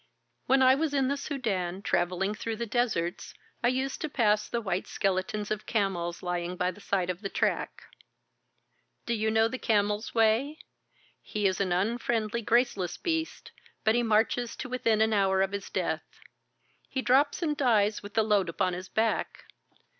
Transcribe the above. "When I was in the Soudan, travelling through the deserts, I used to pass the white skeletons of camels lying by the side of the track. Do you know the camel's way? He is an unfriendly, graceless beast, but he marches to within an hour of his death. He drops and dies with the load upon his back.